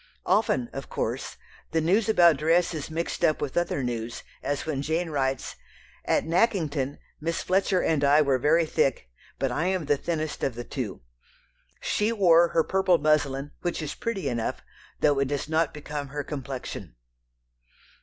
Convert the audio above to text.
Often, of course, the news about dress is mixed up with other news, as when Jane writes: "At Nackington ... Miss Fletcher and I were very thick, but I am the thinnest of the two. She wore her purple muslin, which is pretty enough, though it does not become her complexion...."